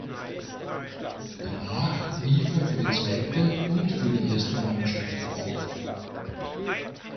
Danach lief er für die zweite und für die erste Mannschaft auf.